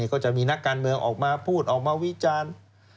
ก็จะมีนักการเมืองออกมาพูดออกมาวิจารณ์